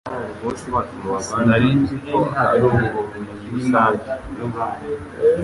Sinari nzi ko aribwo bumenyi rusange